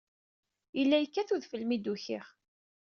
Yella yekkat udfel mi d-ukiɣ.